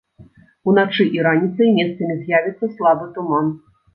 Уначы і раніцай месцамі з'явіцца слабы туман.